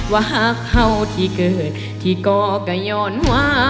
ว่าหากเขาที่เกิดที่ก่อก็ย้อนว่า